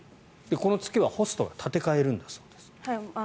この付けはホストが立て替えるんだそうです。